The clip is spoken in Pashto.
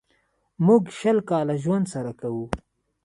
موږ شل کاله ژوند سره کوو.